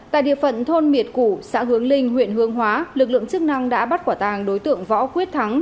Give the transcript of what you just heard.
tại địa phận thôn miệt củ xã hướng linh huyện hương hóa lực lượng chức năng đã bắt quả tàng đối tượng võ quyết thắng